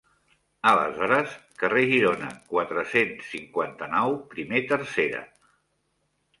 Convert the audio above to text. Aleshores, Carrer Girona quatre-cents cinquanta-nou, primer tercera.